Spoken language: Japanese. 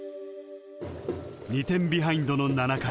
［２点ビハインドの七回］